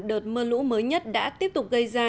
đợt mưa lũ mới nhất đã tiếp tục gây ra